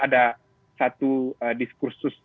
ada satu diskursus